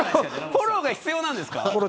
フォロー必要なんですか。